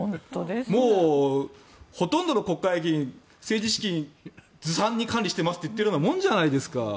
もうほとんどの国会議員政治資金ずさんに管理していますって言っているようなものじゃないですか。